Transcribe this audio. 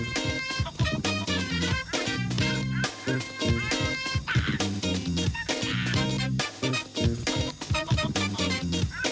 โปรดติดตามตอนต่อไป